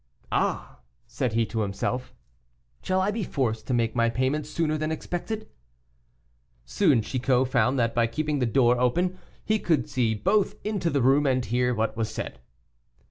"Ah!" said he to himself, "shall I be forced to make my payment sooner than I expected?" Soon Chicot found that by keeping the door open he could both see into the room and hear what was said.